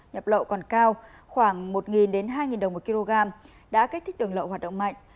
nhập lậu còn cao khoảng một hai đồng một kg đã kích thích đường lậu hoạt động mạnh